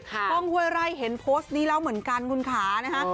กล้องห้วยไร่เห็นโพสต์นี้แล้วเหมือนกันคุณขานะฮะ